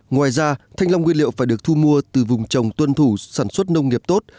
ngoài ra thanh long nguyên liệu phải được thu mua từ vùng trồng tuân thủ sản xuất nông nghiệp tốt